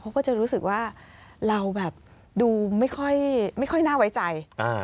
เขาก็จะรู้สึกว่าเราแบบดูไม่ค่อยน่าไว้ใจ